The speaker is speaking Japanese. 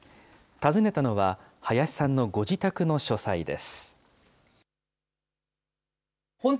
訪ねたのは、林さんのご自宅の書斎です。